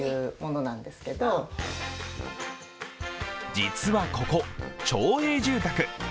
実はここ、町営住宅。